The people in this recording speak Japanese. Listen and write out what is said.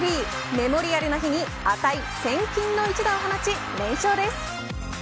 メモリアルな日に値千金の１打を放ち、連勝です。